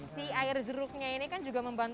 si air jeruknya ini kan juga membantu